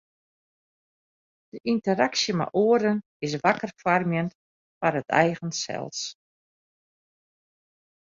De ynteraksje mei oaren is wakker foarmjend foar it eigen sels.